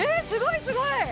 すごいすごい！